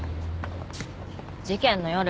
事件の夜。